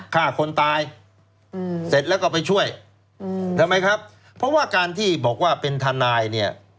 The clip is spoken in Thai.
ฆ่าคนตายอืมเสร็จแล้วก็ไปช่วยอืมทำไมครับเพราะว่าการที่บอกว่าเป็นทนายเนี่ย